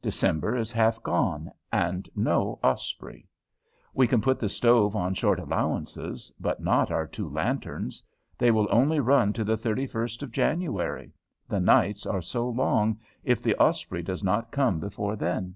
December is half gone, and no "Osprey." We can put the stoves on short allowance, but not our two lanterns. They will only run to the 31st of January, the nights are so long, if the "Osprey" does not come before then.